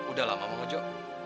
udah lama bang ojo